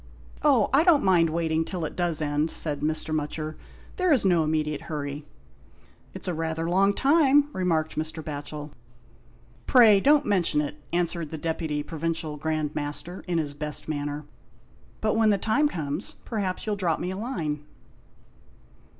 " Oh, I don't mind waiting till it does end," said Mr. Mutcher, " there is no immediate 'urry." "It's rather a long time," remarked Mr. Batchel. "Pray don't mention it," answered the Deputy Provincial Grand Master, in his best manner. "But when the time comes, perhaps you'll drop me a line."